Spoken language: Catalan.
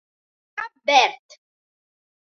Cap Verd.